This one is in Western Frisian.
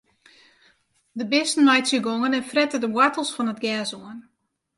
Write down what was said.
De bisten meitsje gongen en frette de woartels fan it gjers oan.